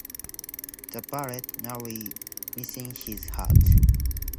The bullet narrowly missing his heart.